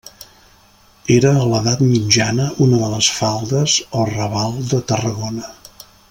Era a l'edat mitjana una de les faldes o raval de Tarragona.